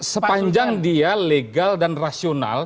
sepanjang dia legal dan rasional